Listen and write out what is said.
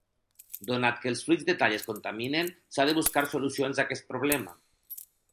Donat que els fluids de tall es contaminen, s'han de buscar solucions a aquest problema.